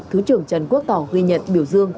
thứ trưởng trần quốc tỏ ghi nhận biểu dương